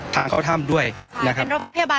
ทางเขาถ้ำด้วยนะครับเป็นรถพยาบาลขอ